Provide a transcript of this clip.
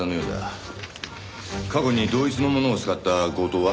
過去に同一のものを使った強盗は？